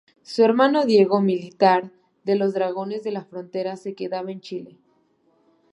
Su hermano Diego, militar de los Dragones de la Frontera, se queda en Chile.